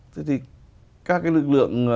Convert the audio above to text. thế thì các cái lực lượng